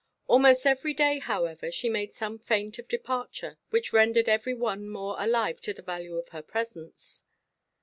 Almost every day, however, she made some feint of departure, which rendered every one more alive to the value of her presence.